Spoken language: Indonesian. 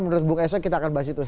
menurut bung esok kita akan bahas itu